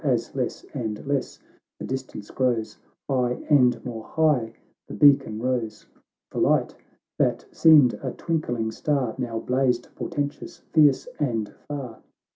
As less and less the distance grows, High and more high the beacon rose ; The light, that seemed a twinkling star, Now blazed portentous, fierce, arid far.